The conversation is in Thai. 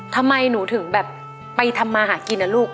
ทำไมหนูถึงแบบไปทำมาหากินนะลูก